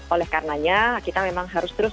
oleh karenanya kita memang harus terus